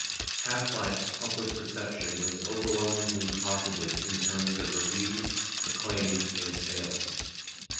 "Half-Life"s public reception was overwhelmingly positive in terms of reviews, acclaim and sales.